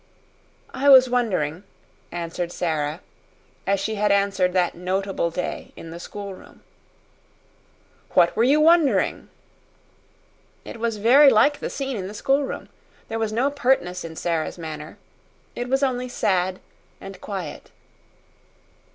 "I was wondering," answered Sara, as she had answered that notable day in the schoolroom. "What were you wondering?" It was very like the scene in the schoolroom. There was no pertness in Sara's manner. It was only sad and quiet.